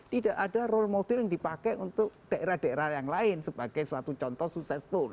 tidak ada role model yang dipakai untuk daerah daerah yang lain sebagai suatu contoh sukses tool